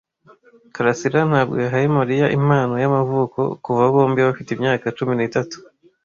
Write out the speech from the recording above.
karasira ntabwo yahaye Mariya impano y'amavuko kuva bombi bafite imyaka cumi n'itatu.